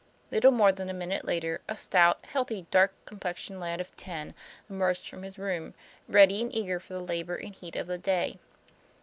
Little more than a minute later, a stout, healthy, dark complexioned lad of ten emerged from his room ready and eager for the labor and heat of the day.